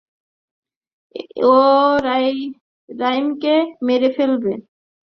ও রাইমকে মেরে ফেলবে।